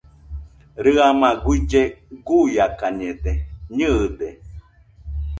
Rɨama guille guiakañede, nɨɨde.